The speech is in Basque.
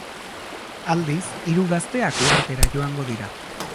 Aldiz, hiru gazteak uhartera joango dira.